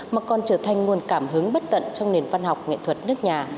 mà còn trở thành nguồn cảm hứng bất tận trong nền văn học nghệ thuật nước nhà